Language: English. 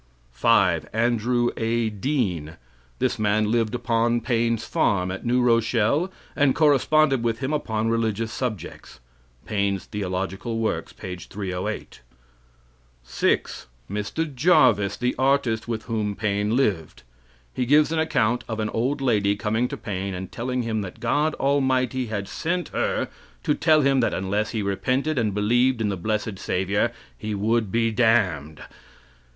5. Andrew A. Dean. This man lived upon Paine's farm, at New Rochelle, and corresponded with him upon religious subjects. Paine's Theological Works, page 308. 6. Mr. Jarvis, the artist with whom Paine lived. He gives an account of an old lady coming to Paine, and telling him that God Almighty had sent her to tell him that unless he repented and believed in the blessed savior he would be damned.